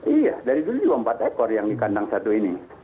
iya dari dulu juga empat ekor yang di kandang satu ini